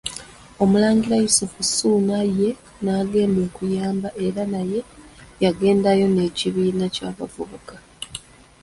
Omulangira Yusufu Ssuuna ye n'agenda okuyamba era naye yagendayo n'ekibiina ky'abavubuka.